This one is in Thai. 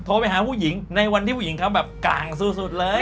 โทรไปหาผู้หญิงในวันที่ผู้หญิงเขาแบบกลางสุดเลย